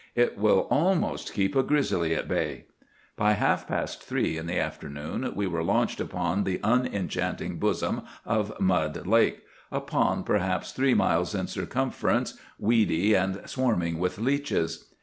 It will almost keep a grizzly at bay. By half past three in the afternoon we were launched upon the unenchanting bosom of Mud Lake, a pond perhaps three miles in circumference, weedy, and swarming with leeches.